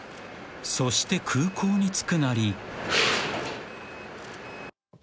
［そして空港に着くなり］